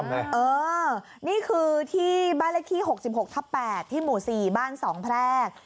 นี่คือที่บ้านเลขที่๖๖ทับ๘ที่หมู่๔บ้าน๒แพรก